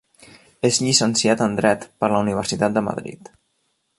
És llicenciat en Dret per la Universitat de Madrid.